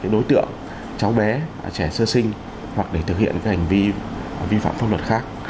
đối tượng cháu bé trẻ sơ sinh hoặc để thực hiện các hành vi vi phạm pháp luật khác